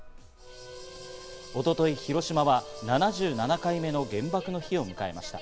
一昨日、広島は７７回目の原爆の日を迎えました。